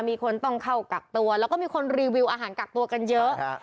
มีคนต้องเข้ากักตัวแล้วก็มีคนรีวิวอาหารกักตัวกันเยอะ